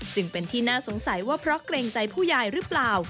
จึงเป็นที่น่าสงสัยว่าเพราะเกรงใจผู้ยายหรือเปล่า